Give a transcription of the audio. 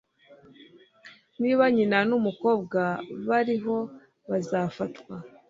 niba nyina numukobwa bariho bazafatwa